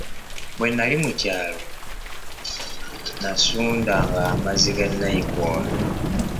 Bwe nali mu kyalo nasundanga amazzi ga nayikondo.